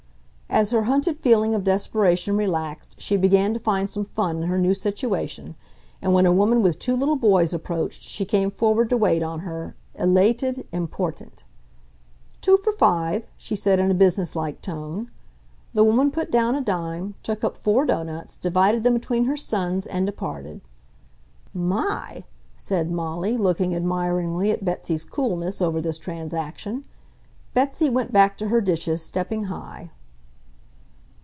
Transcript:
As her hunted feeling of desperation relaxed she began to find some fun in her new situation, and when a woman with two little boys approached she came forward to wait on her, elated, important. "Two for five," she said in a businesslike tone. The woman put down a dime, took up four doughnuts, divided them between her sons, and departed. [Illustration: Never were dishes washed better!] "My!" said Molly, looking admiringly at Betsy's coolness over this transaction. Betsy went back to her dishes, stepping high.